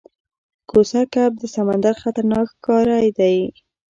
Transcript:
کوسه کب د سمندر خطرناک ښکاری دی